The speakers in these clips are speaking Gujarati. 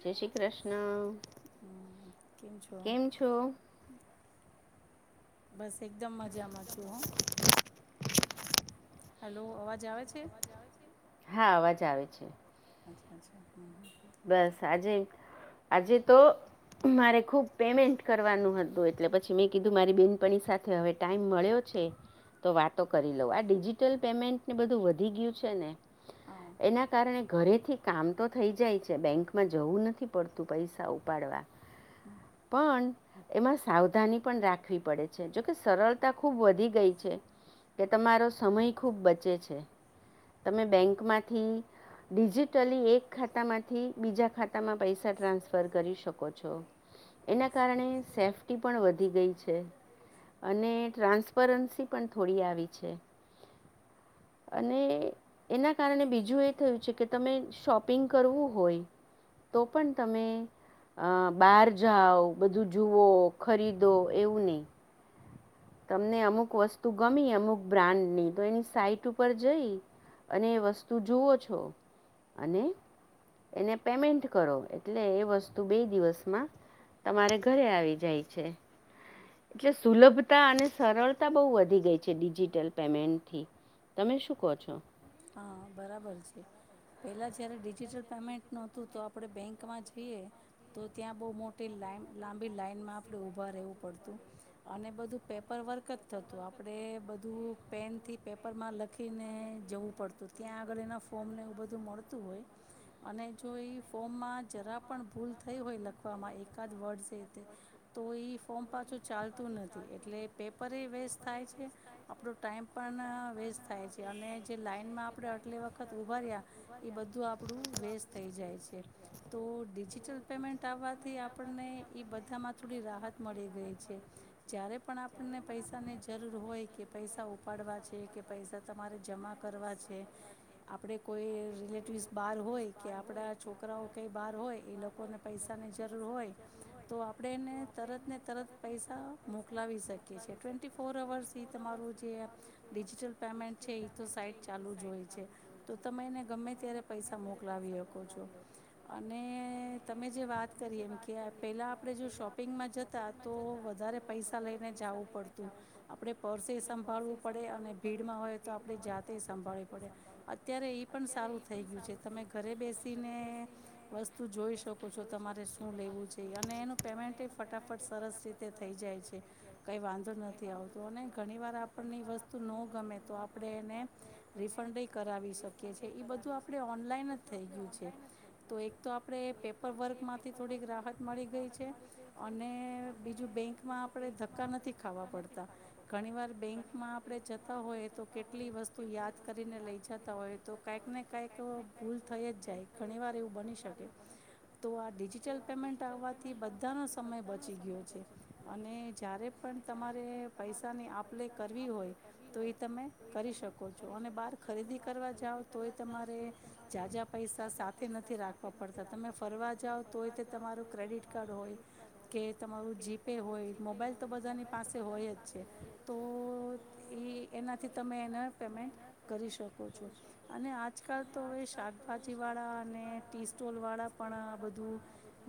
જય શ્રી કૃષ્ણ. કેમ છો? બસ એકદમ મજામાં છું હું. હેલો અવાજ આવે છે? હા અવાજ આવે છે. અચ્છા હ હં બસ આજે, આજે તો મારે ખુબ પેમેન્ટ કરવાનું હતું એટલે પછી મેં કીધું મારી બેનપણી સાથે હવે ટાઈમ મળ્યો છે, તો વાતો કરી લઉ આ ડિજિટલ પેમેન્ટને બધું વધી ગયું છે ને. એના કારણે ઘરેથી કામ તો થઈ જાય છે. બેંકમાં જવું નથી પડતું પૈસા ઉપાડવા, પણ એમાં સાવધાની પણ રાખવી પડે છે જોકે સરળતા ખૂબ વધી ગઈ છે, કે તમારો સમય ખૂબ બચે છે, તમે બેંકમાંથી ડિજિટલી એક ખાતામાંથી થી બીજા ખાતામાં પૈસા ટ્રાન્સફર કરી શકો છો, એના કારણે સેફ્ટી પણ વધી ગઈ છે, અને ટ્રાન્સપરન્સી પણ થોડી આવી છે, અને એના કારણે બીજું એ થયું છે કે તમે શોપિંગ કરવું હોય, તો પણ તમે અહ બહાર જાઓ બધું જુઓ ખરીદો એવું નહીં. તમને અમુક વસ્તુ ગમી અમુક બ્રાન્ડની તો એની સાઈટ ઉપર જઈ અને એ વસ્તુ જુઓ છો, અને એને પેમેન્ટ કરો એટલે એ વસ્તુ બે દિવસમાં, તમારે ઘરે આવી જાય છે, એટલે સુલભ તા અને સરળતા બહુ વધી ગઈ છે ડિજિટલ પેમેન્ટથી, તમે શું કહો છો? હા બરાબર છે, પહેલાં જ્યારે ડિજિટલ પેમેન્ટ નહોતું તો આપણે બેંકમાં જઈએ, તો ત્યાં બહુ મોટી લાઇન લાંબી લાાઈનમાં આપણે ઊભા રહેવું પડતું, અને બધું પેપર વર્ક જ થતું આપણે બધું પેનથી પેપરમાં લખીને જવું પડતું ત્યાં આગળ એના ફોર્મને એવું બધું મળતું હોય, અને જો એ ફોર્મમાં જરા પણ ભૂલ થઈ હોય લખવામાં એકાદ વર્ડ છે તે, તો એ ફોર્મ પાછું તું નથી એટલે પેપર વેસ્ટ થાય છે, આપણો ટાઈમ પણ વેસ્ટ થાય છે અને જે લાાઈનમાં આપણે આટલી વખત ઉભાાર્યા એ બધું આપણું વેસ્ટ થઈ જાય છે, તો ડિજિટલ પેમેન્ટ આવવાથી આપણને એ બધામાં થોડી રાહત મળી ગઈ છે, જ્યારે પણ આપણને પૈસાની જરૂર હોય કે પૈસા ઉપાડવા છે કે પૈસા તમારે જમા કરવા છે. આપણે કોઈ રિલેટિવ્સ બહાર હોય કે આપણા છોકરાઓ કંઈ બહાર હોય એ લોકોને પૈસાની જરૂર હોય, તો આપણે એને તરતને તરત પૈસા મોકલાવી શકીએ છી ટ્વેન્ટી ફોર અવર્સ એ તમારું જે, ડિજિટલ પેમેન્ટ છે એ તો સાઈટ ચાલુ જ હોય છે. તો તમે એને ગમે ત્યારે પૈસા મોકલાવી શકો છો, અને તમે જે વાત કરી એમ કે પહેલાં આપણે જો શોપિંગમાં જતા તો વધારે પૈસા લઈને જવું પડતું, આપણે પર્સે સંભાળવું પડે અને ભીડમાં હોય તો આપણે જા સંંભળી પડે. અત્યારે એ પણ સારું થઈ ગયું છે તમે ઘરે બેસીને, વસ્તુ જોઈ શકો છો તમારે શું લેવું જોઈ અને એનું પેમેન્ટ ફટાફટ સરસ રીતે થઈ જાય છે, કંઈ વાંધો નથી આવતો અને ઘણીવાર આપણને એ વસ્તુ ન ગમે તો આપણે એને રિફંડ કરાવી શકીએ છીએ એ બધું આપણે ઓનલાઈન જ થઈ ગયું છે, તો એક તો આપણે પેપર વર્કમાંથી થોડીક રાહત મળી ગઈ છે, અને બીજું બેંકમાં આપણે ધક્કા નથી ખાવા પડતા, ઘણીવાર બેંકમાં આપણે જતા હોય તો કેટલી વસ્તુ તું યાદ કરીને લઈ હોય તો કાંઈક ને કાંઈક ભૂલ થઈ જ જાય ઘણી વાર એવું બની શકે, તો આ ડિજિટલ પેમેન્ટ આવવાથી બધાનો સમય બચી ગયો છે, અને જ્યારે પણ તમારે પૈસાની આપ લ કરવી હોય તો એ તમે કરી શકો અને બાર કરવા જાવ તોય તમારે, જાઝા પૈસા સાથે નથી રાખવા પડતા તમે ફરવા જાઓ તોય તે તમારું ક્રેડિટ કાર્ડ હોય, કે તમારું જીપે હોય મોબાઈલ તો બધાની પાસે હોય જ છે, તો એ એનાથી તમે એને પેમેન્ટ કરી શકો છો. અને આજકાલ તો હવે શાકભાજી વાળા અને ટી સ્ટોલ વાળા પણ બધું,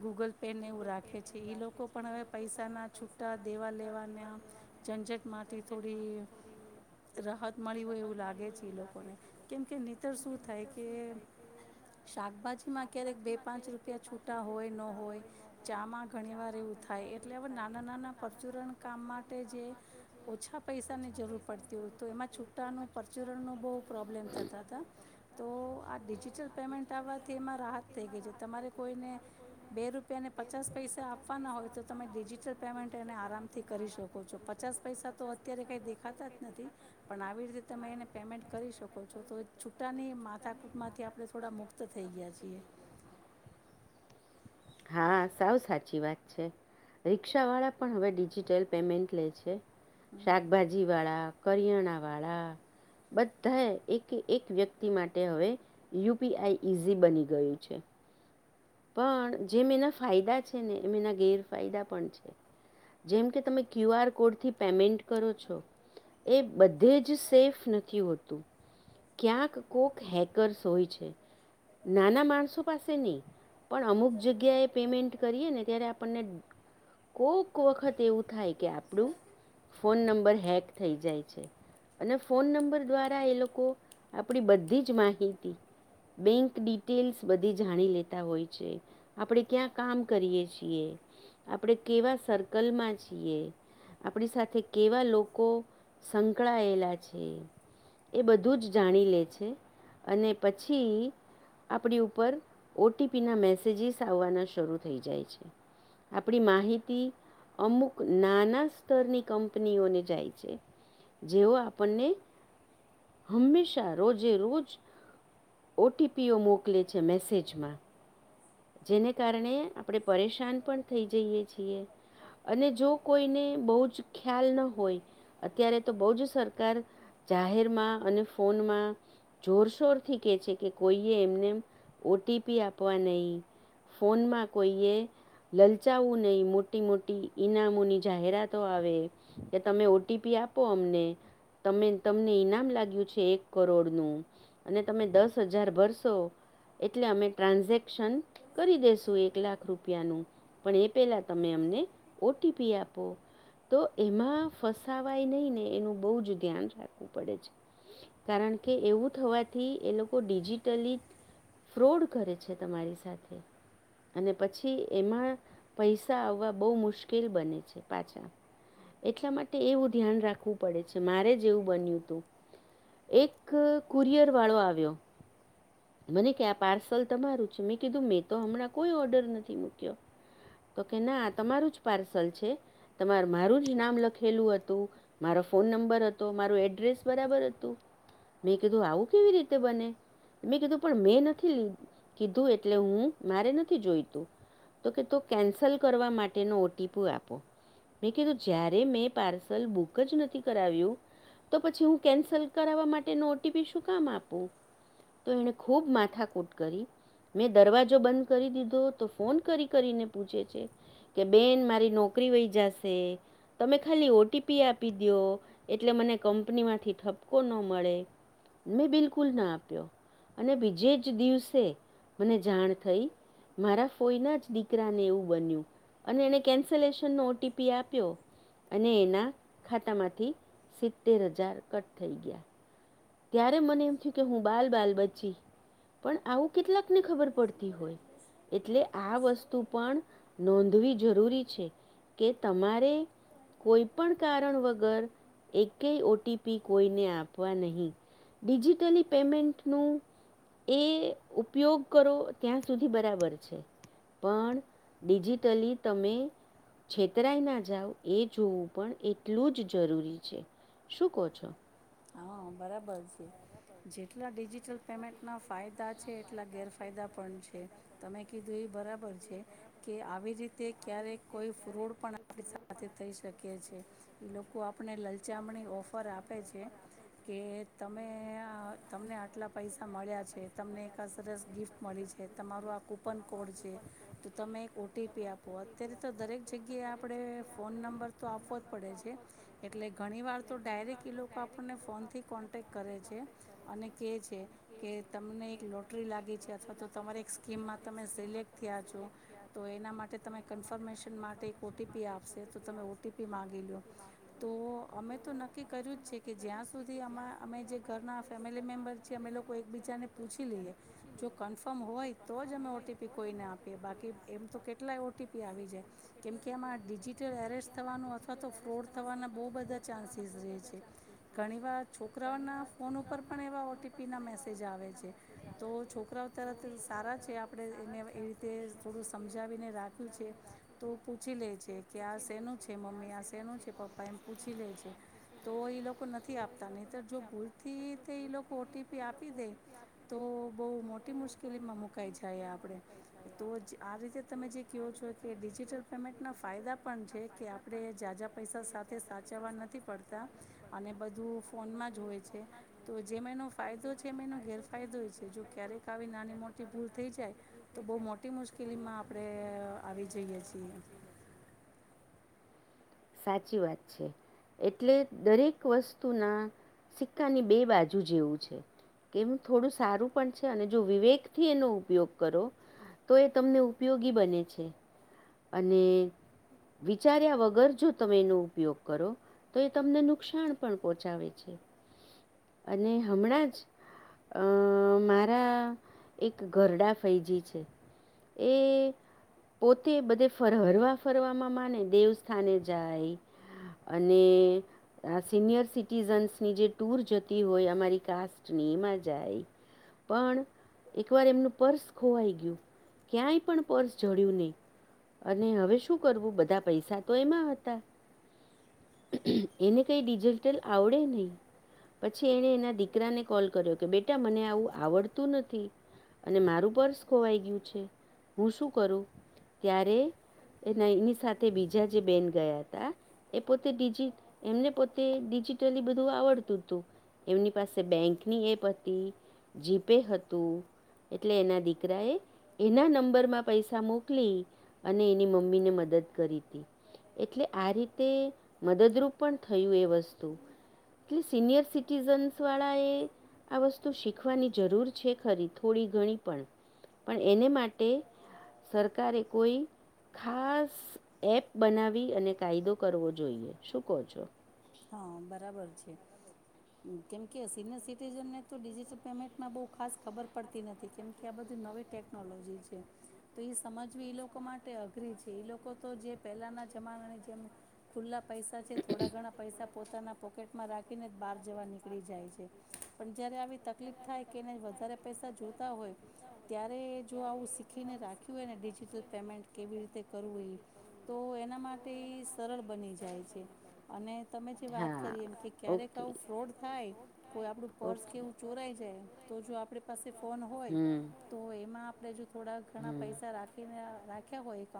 ગૂગલ પેને એવું રાખે છે એ લોકો પણ હવે પૈસાના છૂટા દેવા લેવાના, ઝંઝટ માટેથી થોડી રાહત મળી એવું લાગે છે. લોકોને કેમકે નહીંતર શું થાય કે, શાકભાજીમાં ક્યારેક બે પાંચ રૂપિયા છૂટા હોય ન હોય, ચામાં ઘણીવાર એવું થાય એટલે હવે નાના નાના પરચુરણ કામ માટે જે, ઓછા પૈસાની જરૂર પડતી હોય તો એમાં છ ટાનું ચરણનો બહુ પ્રોબ્લેમ થતા હતા. તો આ ડિજિટલ પેમેન્ટ આવવાથી એમાં રાહત થઈ ગઈ છે તમારે કોઈને, બે રૂપિયાને પચાસ પૈસા આપવાના હોય તો તમે ડિજિટલ પેમેન્ટ એને આરામથી કરી શકો છો પચાસ પૈસા તો અત્યારે કંઈ દેખાતા જ નથી, પણ આવી રીતે તમેયન પેમેન્ટ કરી શકો છો તો છૂટ્ટાની માથાકૂટમાંથી આપણે થોડા મુક્ત થઈ ગયા છીએ. હા સાવ સાચી વાત છે. રિક્ષા વાળા પણ હવે ડિજિટલ પેમેન્ટ લે છે. શાકભાજી વાળા. કરિયાણાવાળા. બધા એક એક વ્યક્તિ માટે હવે યુપીઆઈ ઈઝી બની ગયું છે. પણ જેમ એના ફાયદા છે ને એમ એના ગેરફાયદા પણ છે. જેમ કે તમે ક્યુ આર કોડથી પેમેન્ટ કરો છો એ બધે જ સેફ નથી હોતું ક્યાંક કોક હેકર્સ હોય છે, નાના માણસો પાસે નહીં. પણ અમુક જગ્યાએ પેમેન્ટ કરીએ ને ત્યારે આપણને કોક વખત એવું થાય કે આપણું ફોન નંબર હેક થઈ જાય છે, અને ફોન નંબર દ્વારા એ લોકો આપડી બધી જ માહિતી બેંક ડિટેલ્સ બધી જાણી લેતા. આપણે ક્યાં કામ કરીએ છીએ, આપણે કેવા સર્કલમાં છીએ, આપણી સાથે કેવા લોકો સંકળાયેલા છે, એ બધું જ જાણી લે છે અને પછી આપણી ઉપર. ઓટીપીના મેસેજિસ આવવાના શરૂ થઈ જાય છે. આપણી માહિતી અમુક નાના સ્તરની કંપનીઓને જાય છે જેઓ આપણને હંમેશા રોજે રોજ ઓટીપીઓ મોકલે છે મેસેજ. પાચમાં જેને કારણે આપણે પરેશાન પણ થઈ જઈએ છીએ, અને જો કોઈને બહુ જ ખ્યાલ ન હોય અત્યારે તો બહુ જ સરકાર જાહેરમાં અને ફોનમાં જોરશોરથી કહે છે કે કોઈએ એમને ઓટીપી આપવા નહીં. ફોનમાં કોઈએ લલચાવવું નહીં મોટી મોટી ઈનામોની જાહેરાતો આવે કે તમે ઓટીપી આપો અમને તમે તમને ઈનામ લાગ્યું છે એક કરોડનું અને તમે દસ હજાર ભરશો એટલે અમે ટ્રાન્ઝેક્શન. કરી દેસું એક લાખ રૂપિયાનું પણ એ પેલા તમે અમને ઓટીપી આપો તો એમાં ફસાવાય નહીં ને એનું બહુ જ ધ્યાન રાખવું પડે છે. કારણ કે એવું થવાથી એ લોકો ડિજિટલી ફ્રોડ કરે છે તમારી સાથે. અને પછી એમાં પૈસા આવવા બહુ મુશ્કેલ બને છે પાછા. એટલા માટે એવું ધ્યાન રાખવું પડે છે મારે જે એવું બન્યું હતું એક કુરિયર વાળો આવ્યો મને કે આ પાર્સલ તમારું છે મેં કીધું. તો હમણાં કોઈ ઓર્ડર નથી મૂક્યો તો કે ના તમારું જ પાર્સલ છે તમાર મારું જ નામ લખેલું હતું મારો ફોન નંબર હતો મારું એડ્રેસ બરાબર હતું મેં કીધું આવું કેવી રીતે બને મેં કીધું પણ મેં નથી લ કીધું એટલે હું. મારે નથી જોઈતું તો કે તો કેન્સલ કરવા માટેનો ઓટીપી આપો. મેં કીધું જ્યારે મેં પાર્સલ બુક જ નથી કરાવ્યું તો પછી હું કેન્સલ કરાવવા માટેનો ઓટીપી શું કામ આપું? તો એણે ખૂબ માથાકૂટ કરી મેં દરવાજા જો બંધ કરી દીધો તો ફોન કરી કરીને પૂછે છે કે બેન મારી નોકરી વહી જશે તમે ખાલી ઓટીપી આપી દો એટલે મને કંપનીમાંથી ઠપકો ન મળે. મેં બિલકુલ ના આપ્યો અને બીજે જ દિવસે મને જાણ થઈ મારા ફોઈના જ દીકરાને એવું બન્યું અને એણે કેન્સલેશનનો ઓટીપી આપ્યો અને એના ખાતામાંથી સિત્તેર હજાર કટ થઈ ગયા. ત્યારે મને એમ થયું કે હું બાલ બાલ બચી પણ આવું કેટલાકને ખબર પડતી હોય એટલે આ વસ્તુ પણ નોંધવી જરૂરી છે કે, તમારે કોઈ પણ કારણ વગર એકય ઓટીપી કોઈને આપવા નહીં. ડિજિટલી પેમેન્ટનું એ ઉપયોગ કરો ત્યાં સુધી બરાબર છે. પણ ડિજિટલી તમે છેતરાઈ ના જાઓ એ જોવું પણ એટલું જ જરૂરી છે શું કહો છો? હા બરાબર છે જેટલા ડિજિટલ પેમેન્ટના ફાયદા છે એટલા ગેરફાયદા પણ છે તમે કીધું એ બરાબર છે કે આવી રીતે ક્યારેક. કોઈ ફ્રોડ પણ આપણી સાથે થઈ શકીએ છીએ. એ લોકો આપને લલચામણી ઓફર આપે છે. કે તમે. તમને આટલા પૈસા. મળ્યા છે, તમને એક આ સરસ ગિફ્ટ મળી છે, તમારો આ કૂપન કોડ છે, તો તમે એક ઓટીપી આપો અત્યારે તો દરેક જગ્યાએ આપણે ફોન નંબર તો આપવો જ પડે છે એટલે ઘણી વાર તો ડાયરેક્ટ એ લોકો ફોનથી કોન્ટેક્ટ કરે છે અને કે છે. કે તમને એક લોટરી લાગી છે અથવા તો તમારી એક સ્કીમમાં તમે સિલેક્ટ થયા છો તો એના માટે તમે કન્ફર્મેશન માટે એક ઓટીપી આપશે તો તમે ઓટીપી માગી લો તો અમે તો નક્કી કર્યું જ છે. જ્યાં સુધી અમા અમે જે ઘરના ફેમિલી મેમ્બર છીએ અમે લોકો એક. પૂછી લઈએ જો કન્ફર્મ હોય તો જ અમે ઓટીપી કોઈને આપીએ બાકી એમ તો કેટલાય ઓટીપી આવી જાય કેમકે આમાં ડિજિટલ એરેસ્ટ થવાનું અથવા તો ફ્રોડ થવાના બહુ બધા ચાન્સીસ રહે છે. ઘણી વાર છોકરાઓ ના ફોન ઉપર પણ એવા ઓટીપી ના મેસેજ અ તો છોકરાઓ તરત સારા છે આપણે એને એ રીતે થોડું સમજાવીને રાખ્યું છે તો પૂછી લે છે કે આ શેનું છે મમ્મી આ સેનું છે પપ્પા એમ પૂછી લે છે. તો ઈ લોકો નથી આપતા નહીતર જો ભૂલથી તે ઈ લોકો ઓટીપી આપી દે તો બહુ મોટી મુશ્કેલીમાં મુકાઈમાં જાય આપણે તો આ રીતે તમે જે કયો છો કે ડિજિટલ પેમેન્ટના ફાયદા પણ છે કે આપડે જાઝા પૈસા સાથે સાચવવા નથી પડતા. બધું ફોનમાં જ હોય છે તો જે મેનો ફાયદો છે મે નો ગેરફાયદો ઈ છે. જો ક્યારેક આવી નાની, મોટી ભૂલ થઈ જાય, તો બો મોટી મુશ્કેલીમાં આપણે આવી જઈએ છીએ. સાચી વાત છે, એટલે દરેક વસ્તુના સિક્કાની બે બાજુ જેવું છે. કેમ થોડું સારું પણ છે અને જો વિવેક થી એનો ઉપયોગ કરો તો એ તમને ઉપયોગી બને છે. અને વિચાર્યા વગર જો તમે એનો ઉપયોગ કરો તો, એ તમને નુકસાન પણ પોહચાવે છે અને હમણાં જ અ મારા એક ઘરડા ફયજી છે એ પોત તે બધે હરવા ફરવામાં માને. દેવસ્થાને જાય અને સિનિયર સિટીઝન્સની જે ટૂર જતી હોય અમારી કાસ્ટની એમાં જાય પણ એકવાર એમનું પર્સ ખોવાઈ ગયું, ક્યાંય પણ પર્સ જળ્યું નહીં. અને હવે શું કરવું? બધા પૈસા તો એમાં હતા એને કઈ ડિજિટલ આવડે નહી, પછી એને એના દીકરાને કોલ કર્યો કે બેટા મને આવું આવડતું નથી અને મારું પર્સ ખોવાઈ ગયું છે. હું શું કરું? ત્યારે એના એની સાથે બીજા જે બેન ગયા તા, એ પોતે ડિજી એમને પોતે ડિજિટલી બધું આવડતું હતું. એમની પાસે બેંકની એપ હતી, જી પે હતું એટલે એના દીકરાએ એના નંબરમાં પૈસા મોકલી અને એની મમ્મીને મદદ કરી તી એટલે આ રીતે મદદરૂપ પણ થયું એ વસ્તુ, કે સિનિયર સિટીઝન્સ વાળાએ આ વસ્તુ શીખવાની જરૂર છે ખરી થોડી ઘણી પણ પણ એને માટે સરકારે કોઈ ખાસ એપ બનાવી અને કાયદો કરવો જોઈએ. શું કહો છો? હા, બરાબર છે. કેમકે સિનિયર સિટીઝનને તો ડિજીટલ પેમેન્ટમાં બો ખાસ ખબર પડતી નથી, કેમકે આ બધી નવી ટેકનોલોજી છે તો, ઈ સમજવી એ લોકો માટે અઘરી છે. ઈ લોકો તો જે પહેલાના જમાનાની જેમ ખુલ્લા પૈસા છે થોડા ઘણા પૈસા પોતાના પોકેટમાં રાખીને જ બહાર જવા નીકળી જાય છે પણ જ્યારે આવી તકલીફ થાય કે નય વધારે પૈસા જોતા હોય, ત્યારે જો આવું શીખીને રાખ્યું હોય ને ડિજિટલ પેમેન્ટ કેવી રીતે કરવું ઈ તો એના માટે સરળ બની જાય છે. છે અને તમે જે વાત કરી, એમ કે ક્યારેક આવું ફ્રોડ થાય. કોઈ આપણું પર્સ કે એવું ચોરાઈ જાય તો જો આપણી પાસે ફોન હોય તો એમાં આપણે જો થોડા ઘણા પૈસા રાખીને રાખ્યા હોય એકાઉન્ટ